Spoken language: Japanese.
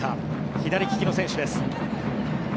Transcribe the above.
左利きの選手です。